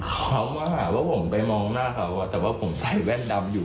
เขามาหาว่าผมไปมองหน้าเขาแต่ว่าผมใส่แว่นดำอยู่